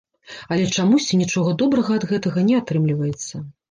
Але чамусьці нічога добрага ад гэтага не атрымліваецца.